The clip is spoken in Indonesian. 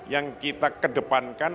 yang kita kedepankan